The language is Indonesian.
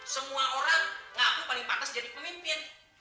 semua orang ngaku paling pantas jadi pemimpin